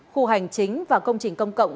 khu hành chính và công trình công cộng